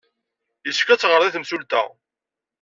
Yessefk ad teɣred i temsulta.